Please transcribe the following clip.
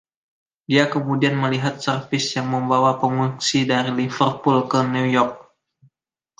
Dia kemudian melihat servis yang membawa pengungsi dari Liverpool ke New York.